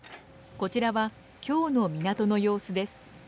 こちらは今日の港の様子です。